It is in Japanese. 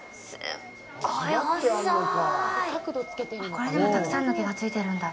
これ、でも、たくさんの毛がついてるんだ。